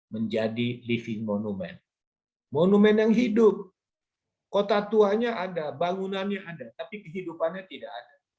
menjadi living monumen monumen yang hidup kota tuanya ada bangunannya ada tapi kehidupannya tidak ada